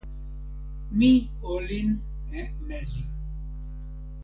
mi olin e meli.